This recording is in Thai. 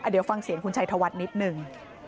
เดี๋ยวฟังเสียงคุณชัยธวัฒน์นิดนึง